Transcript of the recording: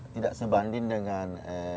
tidak sebanding dengan